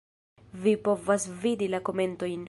Vi povas vidi la komentojn.